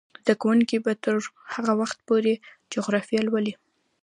زده کوونکې به تر هغه وخته پورې جغرافیه لولي.